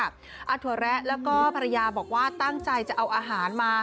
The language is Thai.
ถั่วแระแล้วก็ภรรยาบอกว่าตั้งใจจะเอาอาหารมา